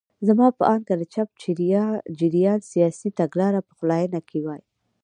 زما په اند که د چپ جریان سیاسي تګلاره پخلاینه کې وای.